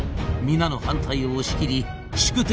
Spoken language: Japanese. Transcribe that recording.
皆の反対を押し切り宿敵